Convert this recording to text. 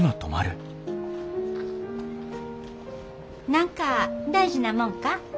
何か大事なもんか？